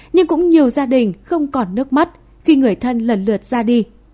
nhưng cũng nhiều gia đình không còn nước mắt khi người thân lần lượt ra đi